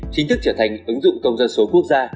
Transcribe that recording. chính thức trở thành ứng dụng công dân số quốc gia